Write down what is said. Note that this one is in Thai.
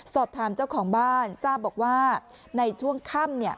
สอบถามเจ้าของบ้านทราบบอกว่าในช่วงค่ำ